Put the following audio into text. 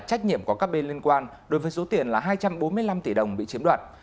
trách nhiệm của các bên liên quan đối với số tiền là hai trăm bốn mươi năm tỷ đồng bị chiếm đoạt